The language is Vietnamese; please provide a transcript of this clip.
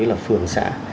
như là phường xã